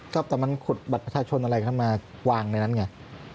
ก็แต่มันขุดบัตรประชาชนอะไรขึ้นมาวางในนั้นไง